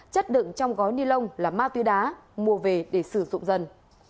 chất đựng trong gói ni lông là ma túy đá mua về để sử dụng dần